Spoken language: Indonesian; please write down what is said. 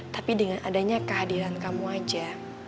tapi dengan adanya kehadiran kamu aja